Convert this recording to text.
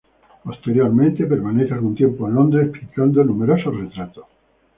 Posteriormente permanece algún tiempo en Londres pintando numerosos retratos.